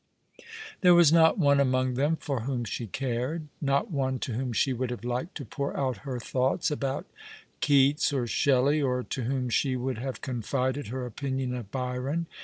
There was not one among them for whom she cared ; not one to whom she would have liked to pour out her thoughts about Keats or Shelley, or to whom she would have confided her opinion of Byron.